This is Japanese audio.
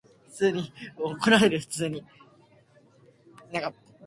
その西洋人の優れて白い皮膚の色が、掛茶屋へ入るや否いなや、すぐ私の注意を惹（ひ）いた。